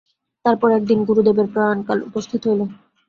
তারপর একদিন গুরুদেবের প্রয়াণকাল উপস্থিত হইল।